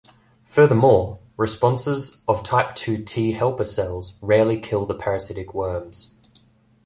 Furthermore, responses of type-two T helper cells rarely kill the parasitic worms.